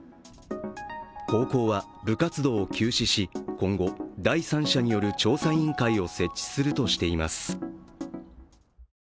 高校は部活動を休止し、今後、第三者による調査委員会を設置するとしています。